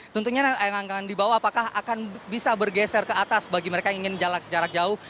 tentunya yang akan dibawa apakah akan bisa bergeser ke atas bagi mereka yang ingin jarak jauh